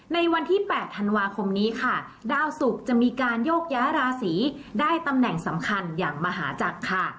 ในวันที่๘ธันวาคมนี้ค่ะดาวสุกจะมีการโยกย้ายราศีได้ตำแหน่งสำคัญอย่างมหาจักรค่ะ